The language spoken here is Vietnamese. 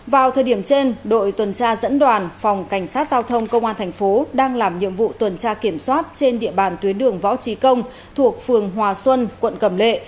vào thời điểm trên đội tuần tra dẫn đoàn phòng cảnh sát giao thông công an thành phố đang làm nhiệm vụ tuần tra kiểm soát trên địa bàn tuyến đường võ trí công thuộc phường hòa xuân quận cầm lệ